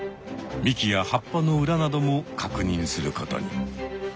幹や葉っぱの裏などもかくにんすることに。